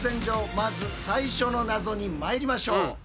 まず最初の謎にまいりましょう。